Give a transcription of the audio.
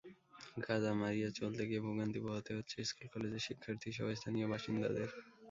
কাদা মাড়িয়ে চলতে গিয়ে ভোগান্তি পোহাতে হচ্ছে স্কুল-কলেজের শিক্ষার্থীসহ স্থানীয় বাসিন্দাদের।